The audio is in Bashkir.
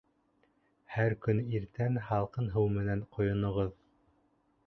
Һәр көн иртән һалҡын һыу менән ҡойоноғоҙ